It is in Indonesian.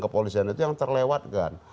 kepolisian itu yang terlewatkan